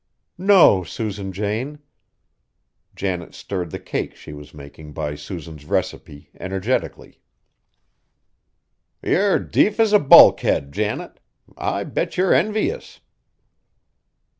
"No, Susan Jane." Janet stirred the cake she was making by Susan's recipe energetically. "You're deef as a bulkhead, Janet! I bet you're envious."